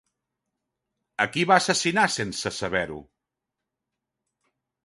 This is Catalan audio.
A qui va assassinar, sense saber-ho?